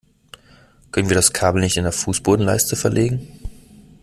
Können wir das Kabel nicht in der Fußbodenleiste verlegen?